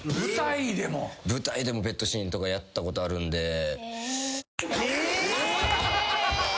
舞台でもベッドシーンとかやったことあるんで。